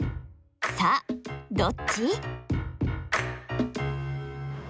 さあどっち？